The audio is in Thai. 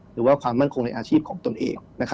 หรือว่าความมั่นคงในอาชีพของตนเอง